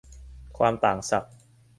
ความต่างศักย์